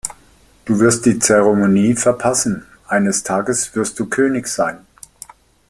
Du wirst die Zeremonie verpassen. Eines Tages wirst du König sein.